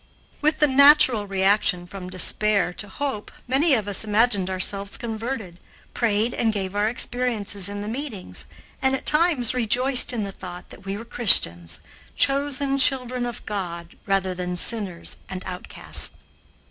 With the natural reaction from despair to hope many of us imagined ourselves converted, prayed and gave our experiences in the meetings, and at times rejoiced in the thought that we were Christians chosen children of God rather than sinners and outcasts.